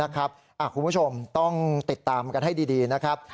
คุณผู้ชมต้องติดตามกันให้ดีนะครับ